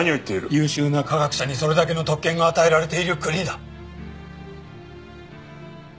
優秀な科学者にそれだけの特権が与えられている国だ。